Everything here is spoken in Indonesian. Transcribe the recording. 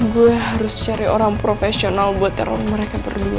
gua harus cari orang profesional buat teror mereka berdua